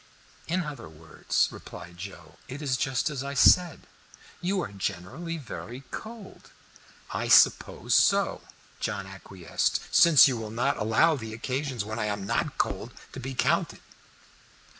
"In other words," replied Joe, "it is just as I said; you are generally very cold." "I suppose so," John acquiesced, "since you will not allow the occasions when I am not cold to be counted."